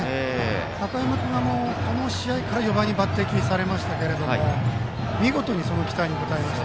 箱山君はこの試合から４番に抜てきされましたけども見事にその期待に応えました。